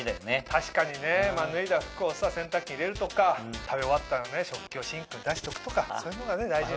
確かにね脱いだ服を洗濯機に入れるとか食べ終わったら食器をシンクに出しとくとかそういうのが大事よ。